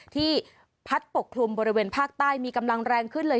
ที่พัดปกคลุมบริเวณภาคใต้มีกำลังแรงขึ้นเลย